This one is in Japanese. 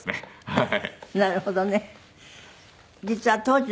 はい。